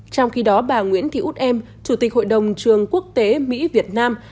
trong khi đó bà nguyễn thị út em chủ tịch hội đồng trường quốc tế mỹ việt nam